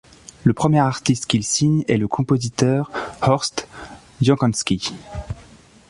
Le premier artiste qu'il signe est le compositeur Horst Jankowski.